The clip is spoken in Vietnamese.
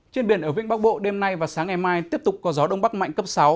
trên biển ở vĩnh bắc bộ đêm nay và sáng ngày mai tiếp tục có gió đông bắc mạnh cấp sáu